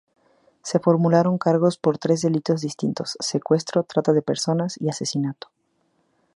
Se formularon cargos por tres delitos distintos: secuestro, trata de personas y asesinato.